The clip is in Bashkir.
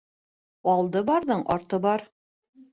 Алды барҙың арты бар.